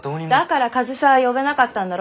だから上総屋は呼べなかったんだろう？